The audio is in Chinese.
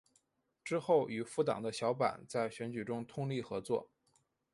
之后与复党的小坂在选举中通力合作。